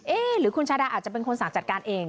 หรือคุณชาดาอาจจะเป็นคนสั่งจัดการเอง